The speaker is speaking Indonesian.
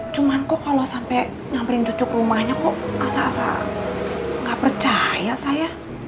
cuman kok kalo sampe nyamperin cucu ke rumahnya kok asa asa gak percaya saya